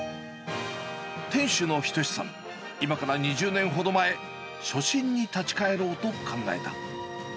店主の斎さん、今から２０年ほど前、初心に立ち返ろうと考えた。